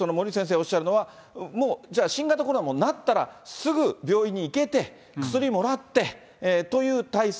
おっしゃるのは、もうじゃあ、新型コロナになったら、すぐ病院行けて、薬もらえてという体制。